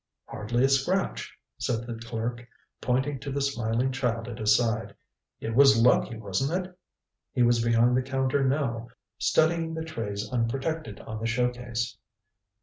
"Hardly a scratch," said the clerk, pointing to the smiling child at his side. "It was lucky, wasn't it?" He was behind the counter now, studying the trays unprotected on the show case.